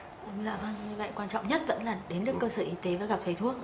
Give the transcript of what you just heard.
dạ vâng như vậy quan trọng nhất vẫn là đến được cơ sở y tế và gặp thầy thuốc